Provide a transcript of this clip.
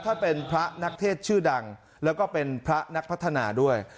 ท่านเป็นพระนักเทศชื่อดังแล้วก็เป็นพระนักพัฒนาด้วย